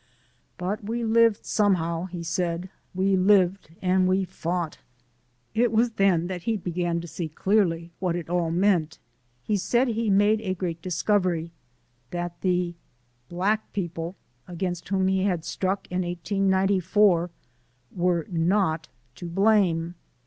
"But we lived somehow," he said, "we lived and we fought." It was then that he began to see clearly what it all meant. He said he made a great discovery: that the "black people" against whom they had struck in 1894 were not to blame!